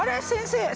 先生。